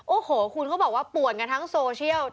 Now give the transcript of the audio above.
โอ้โหคุณเขาบอกว่าป่วนกันทั้งโซเชียล